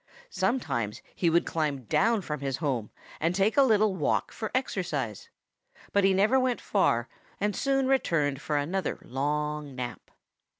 Sometimes he would climb down from his home and take a little walk for exercise. But he never went far, and soon returned for another long nap.